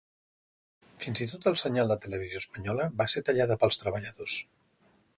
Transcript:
Fins i tot el senyal de Televisió Espanyola va ser tallada pels treballadors.